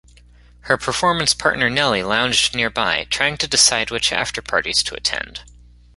Her performance partner Nelly lounged nearby, trying to decide which afterparties to attend.